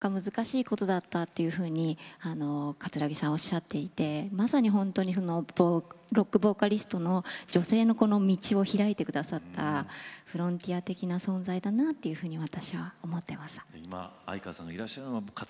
当時女性がロックを歌うというのはなかなか難しいことだったというふうに葛城さん、おっしゃっていてまさに本当にロックボーカリストの女性の道を開いてくださったフロンティア的な存在だなと私は思っています。